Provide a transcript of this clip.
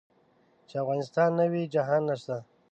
چې افغانستان نه وي جهان نشته.